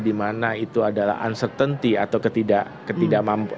dimana itu adalah uncertainty atau ketidakmampuan